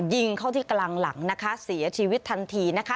ยิงเข้าที่กลางหลังนะคะเสียชีวิตทันทีนะคะ